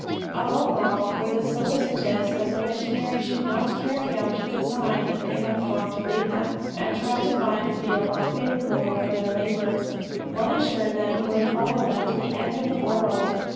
Above all were they solicitous that the missionaries should not carry out a design they had formed to leave them, and try to find a field more favorable for their labors. One assured them he would follow them to the end of the world.